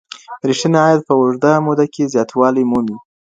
ریښتینی عاید په اوږده موده کي زیاتوالی مومي.